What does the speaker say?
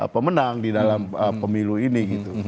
pemenang di dalam pemilu ini